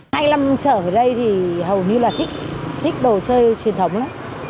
hai năm trở ở đây thì hầu như là thích đồ chơi truyền thống lắm